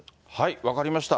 分かりました。